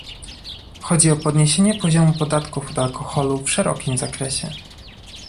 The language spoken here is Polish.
chodzi o podniesienie poziomu podatków od alkoholu w szerokim zakresie